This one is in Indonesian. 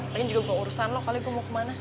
mungkin juga bukan urusan lo kali gue mau kemana